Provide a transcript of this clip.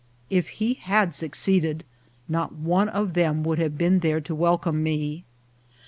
If he had succeeded, not one of them would have been there to welcome me.